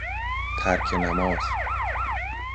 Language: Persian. ترک نماز